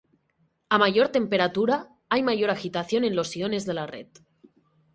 A mayor temperatura hay mayor agitación en los iones de la red.